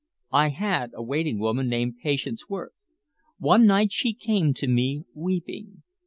I had a waiting woman named Patience Worth. One night she came to me, weeping.